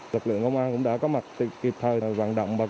lực lượng công an cũng đã có mặt kịp thời vận động bà con